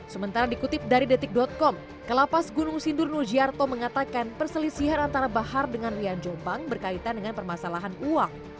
sementara dikutip dari detik com kalapas gunung sindur nujiarto mengatakan perselisihan antara bahar dengan rian jombang berkaitan dengan permasalahan uang